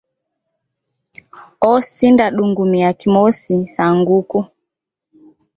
Osinda dungumia kimusi sa nguku.